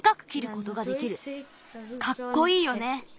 かっこいいよね！